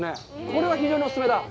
これは非常にお勧めだ。